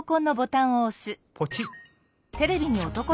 ポチッ！